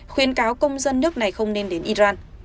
khuyên cáo công dân nước này không nên đến iran